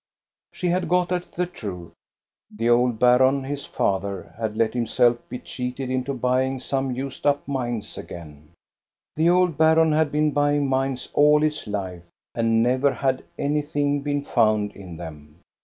" She had got at the truth. The old baron^ his father, had let himself be cheated into buying some used up OLD SONGS 359 mines again. The old baron had been buying mines all his life, and never had anything been found in them.